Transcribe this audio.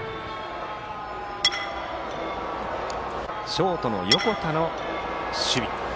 ショートの横田の守備。